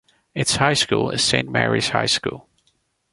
Its high school is Saint Marys High School.